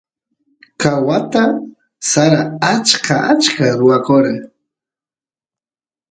ka wata sara ancha achka ruwakora